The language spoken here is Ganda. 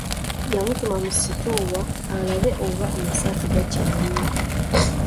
Yamutuma mu sitoowa alabe oba amasaati gakyaliyo.